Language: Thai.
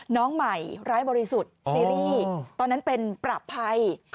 น้องใหม่ร้ายบริสุทธิ์ซีรีส์ตอนนั้นเป็นประภัย